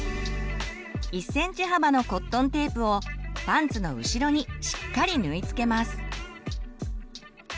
１ｃｍ幅のコットンテープをパンツの後ろにしっかり縫い付けます。